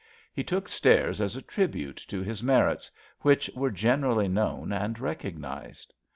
He took stares as a tribute to his merits, wliich were gen erally known and recognized.